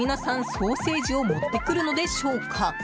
ソーセージを持ってくるのでしょうか。